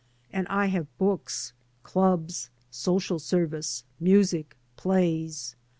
And I have books, clubs, so cial service, music, plays.